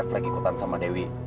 reflek ikutan sama dewi